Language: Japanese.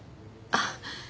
あっ。